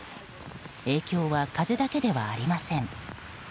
影響は風だけではありません。